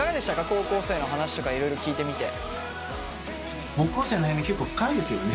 高校生の話とかいろいろ聞いてみて。